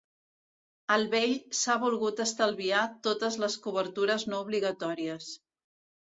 El vell s'ha volgut estalviat totes les cobertures no obligatòries.